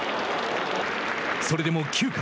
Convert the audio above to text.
それでも９回。